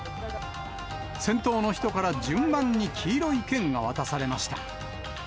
先頭の人から順番に黄色い券が渡されました。